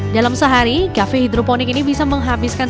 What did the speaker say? dalam sehari kafe hidroponik ini bisa menghabiskan